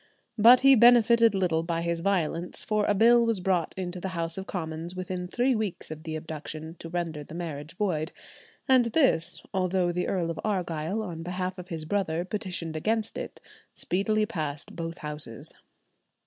But he benefited little by his violence, for a bill was brought into the House of Commons within three weeks of the abduction to render the marriage void, and this, although the Earl of Argyll on behalf of his brother petitioned against it, speedily passed both Houses.